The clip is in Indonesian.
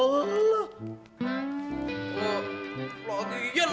iya lu ngapain lu kesian ya